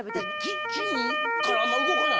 キッチンからあんま動かない？